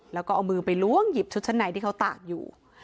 แล้วก็เอามือไปล้วงหยิบชุดชั้นในที่เขาตากอยู่